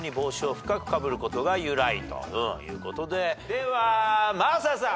では真麻さん。